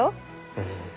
うん。